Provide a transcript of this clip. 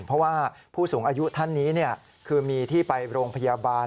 เพราะว่าผู้สูงอายุท่านนี้คือมีที่ไปโรงพยาบาล